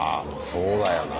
そうだよね。